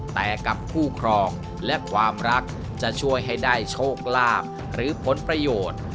แต่กับคู่ครองและความรักจะช่วยให้ได้โชคลาภหรือผลประโยชน์